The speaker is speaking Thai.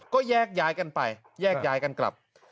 ก็แยกย้ายกันไปแยกย้ายกันกลับ